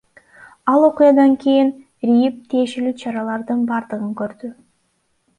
Ал окуядан кийин РИИБ тиешелүү чаралардын бардыгын көрдү.